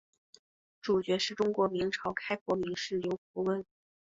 主角是中国明朝开国名士刘伯温。